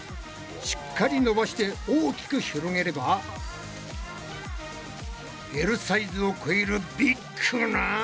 しっかり伸ばして大きく広げればＬサイズを超えるビッグな。